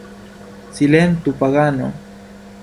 Silentu pagano!